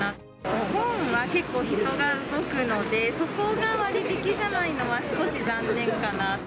お盆は結構人が動くので、そこが割引じゃないのは少し残念かな。